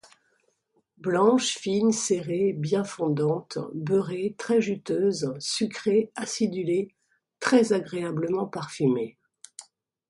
Blanche, fine, serrée, bien fondante, beurrée, très juteuse, sucrée, acidulée, très agréablement parfumée.